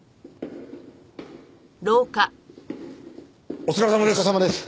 お疲れさまです！